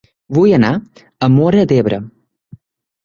Vull anar a Móra d'Ebre